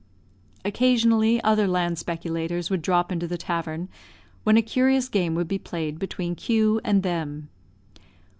Occasionally, other land speculators would drop into the tavern, when a curious game would be played between Q and them.